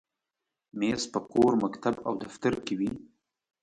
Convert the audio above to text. مېز په کور، مکتب، او دفتر کې وي.